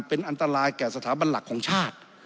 เป็นอันตรายแก่สถาบันหลักของชาติ